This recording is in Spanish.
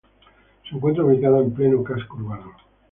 Se encuentra ubicada en pleno casco urbano.